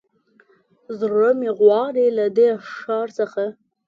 زړه مې غواړي له دې ښار څخه